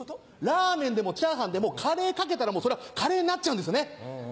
ラーメンでもチャーハンでもカレーかけたらもうそれはカレーになっちゃうんですよね。